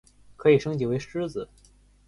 可以升级为狮子。